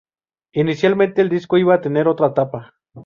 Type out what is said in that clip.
Inicialmente el disco iba a tener otra tapa.